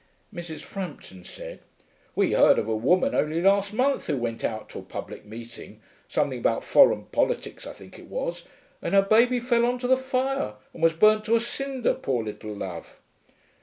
Mrs. Frampton said, 'We heard of a woman only last month who went out to a public meeting something about foreign politics, I think it was and her baby fell on to the fire and was burnt to a cinder, poor little love.'